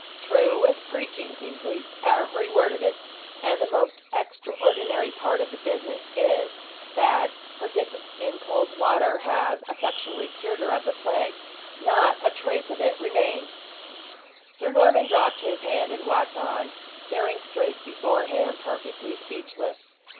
"True as preaching, Kingsley, every word of it! And the most extraordinary part of the business is, that her dip in cold water has effectually cured her of the plague; not a trace of it remains." Sir Norman dropped his hand, and walked on, staring straight before him, perfectly speechless.